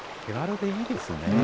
手軽でいいですね。